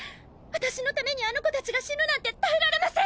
私の為にあの子達が死ぬなんて耐えられません！！